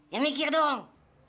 ya mikir dong